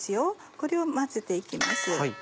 これを混ぜて行きます。